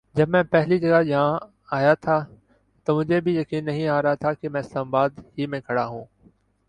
جب میں پہلی جگہ یہاں آیا تھا تو مجھے بھی یقین نہیں آ رہا تھا کہ میں اسلام آباد ہی میں کھڑا ہوں ۔